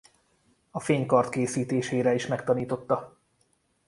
A fénykard készítésére is megtanította.